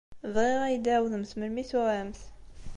Bɣiɣ ad iyi-d-tɛawdemt melmi tuɛamt.